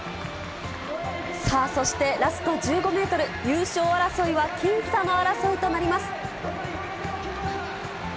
さあ、そしてラスト１５メートル、優勝争いは僅差の争いとなります。